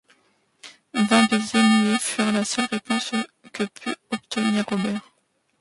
Vingt baisers muets furent la seule réponse que put obtenir Robert.